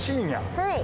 はい。